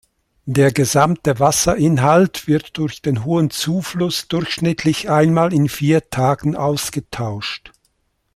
Der gesamte Wasserinhalt wird durch den hohen Zufluss durchschnittlich einmal in vier Tagen ausgetauscht.